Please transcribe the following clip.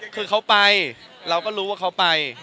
คือเขาไปเราก็รู้ว่าเขาไป